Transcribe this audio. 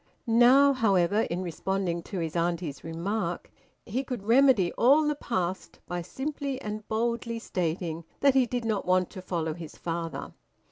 Now, however, in responding to his auntie's remark, he could remedy all the past by simply and boldly stating that he did not want to follow his father.